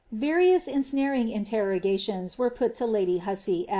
Various eusiiariug interrpgations were pui lo lady Uuasey.